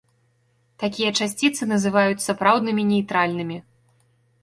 Такія часціцы называюць сапраўднымі нейтральнымі.